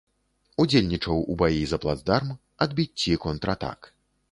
Удзельнічаў у баі за плацдарм, адбіцці контратак.